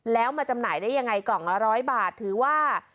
แล้วมาจำหน่ายได้ยังไงกล่องละ๑๐๐บาทถือว่า